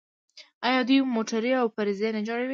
آیا دوی موټرې او پرزې نه جوړوي؟